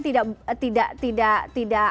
tidak tidak tidak tidak